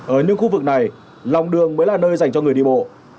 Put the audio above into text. ở những khu vực này lòng đường mới là nơi dành cho người đi bộ